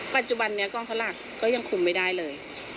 ปัจจุบันนี้กองสลากก็ยังคุมไม่ได้เลย